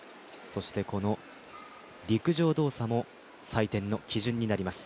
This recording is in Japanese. この陸上動作も採点の基準になります。